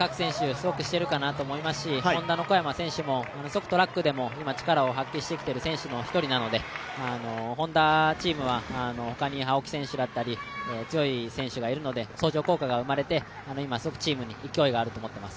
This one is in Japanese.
すごくしているかなと思いますしＨｏｎｄａの小山選手もすごくトラックでも力を発揮してきている選手なので、Ｈｏｎｄａチームは他に青木選手だったり強い選手がいるので相乗効果が生まれて、すごく今チームに勢いがあると思います。